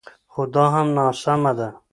خو دا هم ناسمه ده